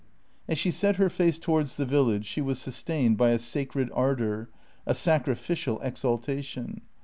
As she set her face towards the village, she was sustained by a sacred ardour, a sacrificial exaltation.